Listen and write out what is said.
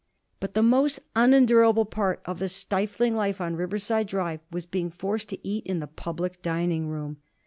But the most unendurable part of the stifling life on Riverside Drive was being forced to eat in the public dining room.